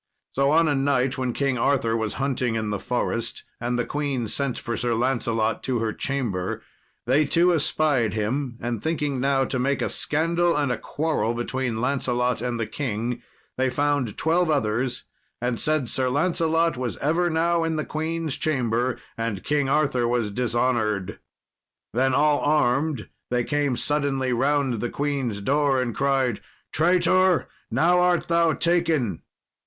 So on a night, when King Arthur was hunting in the forest, and the queen sent for Sir Lancelot to her chamber, they two espied him; and thinking now to make a scandal and a quarrel between Lancelot and the king, they found twelve others, and said Sir Lancelot was ever now in the queen's chamber, and King Arthur was dishonoured. Then, all armed, they came suddenly round the queen's door, and cried, "Traitor! now art thou taken."